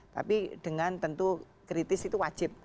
tapi dengan tentu kritis itu wajib